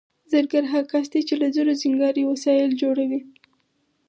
زرګر هغه کس دی چې له زرو سینګاري وسایل جوړوي